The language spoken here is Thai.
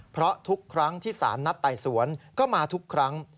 เพราะทุกครั้งที่สารนัดไต่สวนก็มาทุกครั้ง